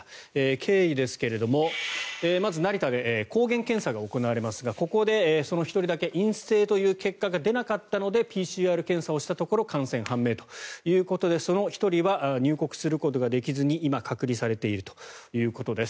経緯ですが、まず成田で抗原検査が行われますがここで、その１人だけ陰性という結果が出なかったのでＰＣＲ検査をしたところ感染判明ということでその１人は入国することができずに今、隔離されているということです。